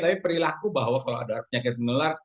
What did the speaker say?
tapi perilaku bahwa kalau ada penyakit menular